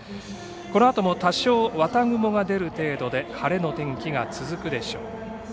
このあとも多少綿雲が出る程度で晴れの天気が続くでしょう。